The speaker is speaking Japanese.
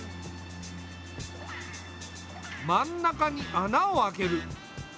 真ん中に穴を開ける。